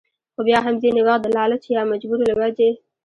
خو بيا هم ځينې وخت د لالچ يا مجبورو له وجې